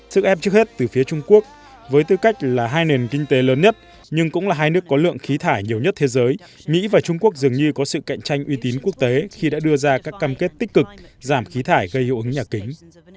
sức ép trước hết từ phía trung quốc với tư cách là hai nền kinh tế lớn nhất nhưng cũng là hai nước có lượng khí thải nhiều nhất thế giới mỹ và trung quốc dường như có sự cạnh tranh uy tín quốc tế khi đã đưa ra các cam kết tích cực giảm khí thải gây hiệu ứng nhà kính